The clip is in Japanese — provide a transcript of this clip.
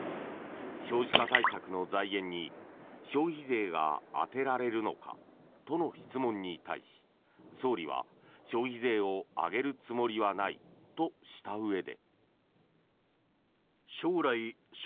少子化対策の財源に消費税が充てられるのか？との質問に対し総理は消費税を上げるつもりはないとしたうえで。